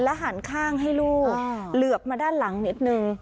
หันข้างให้ลูกเหลือบมาด้านหลังนิดนึง